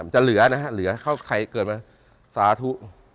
จะเหลือนะฮะเหลือใครเกิดมาสาธุ